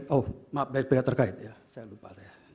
oh maaf dari pihak terkait ya saya lupa